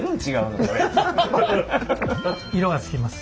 色がつきます。